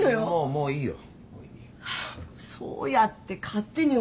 もういいよ。